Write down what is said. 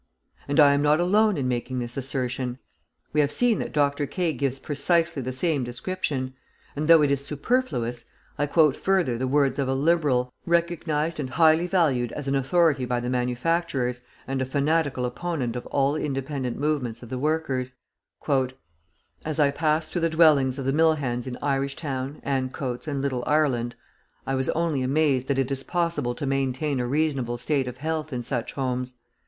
And I am not alone in making this assertion. We have seen that Dr. Kay gives precisely the same description; and, though it is superfluous, I quote further the words of a Liberal, recognised and highly valued as an authority by the manufacturers, and a fanatical opponent of all independent movements of the workers: "As I passed through the dwellings of the mill hands in Irish Town, Ancoats, and Little Ireland, I was only amazed that it is possible to maintain a reasonable state of health in such homes.